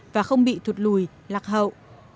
và không bị thuật lùi lạc hậu